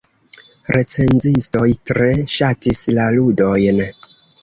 Recenzistoj tre ŝatis la ludojn.